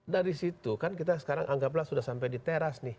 dari situ kan kita sekarang anggaplah sudah sampai di teras nih